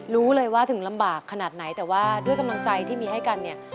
รู้เลยว่าถึงลำบากขนาดไหนแต่ว่าด้วยกำลังใจที่มีให้กันเนี่ย